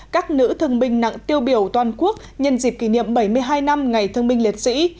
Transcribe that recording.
các nữ thương binh nặng tiêu biểu toàn quốc nhân dịp kỷ niệm bảy mươi hai năm ngày thương binh liệt sĩ